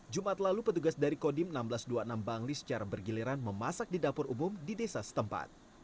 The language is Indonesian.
jumat lalu petugas dari kodim seribu enam ratus dua puluh enam bangli secara bergiliran memasak di dapur umum di desa setempat